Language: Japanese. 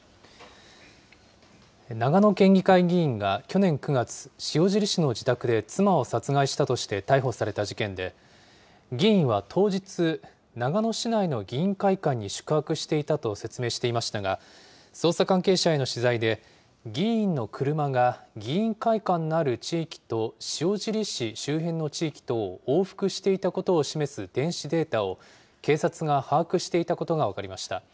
長野県議会議員が去年９月、塩尻市の自宅で妻を殺害したとして逮捕された事件で、議員は当日、長野市内の議員会館に宿泊していたと説明していましたが、捜査関係者への取材で、議員の車が議員会館のある地域と塩尻市周辺の地域とを往復していたことを示す電子データを、警察が把握していたことが分かりました。